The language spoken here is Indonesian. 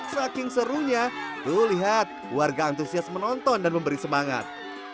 saking serunya tuh lihat warga antusias menonton dan memberi semangat